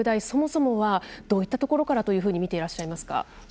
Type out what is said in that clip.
そもそもはどういったところからとみてらっしゃいますか？